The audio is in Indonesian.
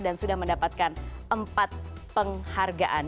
dan sudah mendapatkan empat penghargaan